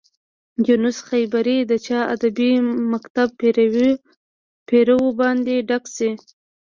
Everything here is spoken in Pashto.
یونس خیبري د چا ادبي مکتب پيرو و باید ډک شي.